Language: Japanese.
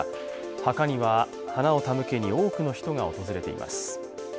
墓には花を手向けに多くの人が訪れています。